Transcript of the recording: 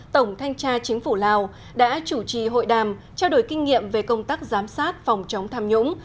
tổng thanh tra chính phủ lào đã chủ trì hội đàm trao đổi kinh nghiệm về công tác giám sát phòng chống tham nhũng